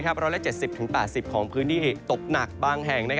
๑๗๐๘๐ของพื้นที่ตกหนักบางแห่ง